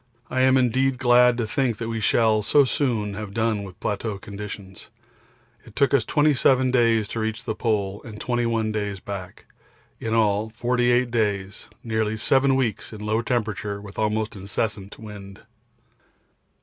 I am indeed glad to think we shall so soon have done with plateau conditions. It took us 27 days to reach the Pole and 21 days back in all 48 days nearly 7 weeks in low temperature with almost incessant wind.